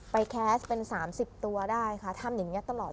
แคสต์เป็น๓๐ตัวได้ค่ะทำอย่างนี้ตลอด